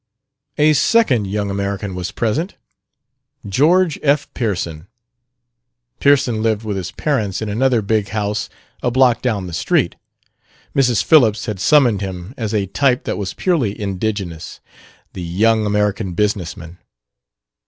A second "young American" was present George F. Pearson. Pearson lived with his parents in another big house a block down the street. Mrs. Phillips had summoned him as a type that was purely indigenous the "young American business man."